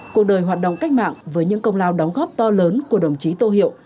cuộc đời hoạt động cách mạng với những công lao đóng góp to lớn của đồng chí tô hiệu